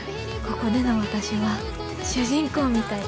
ここでの私は主人公みたい。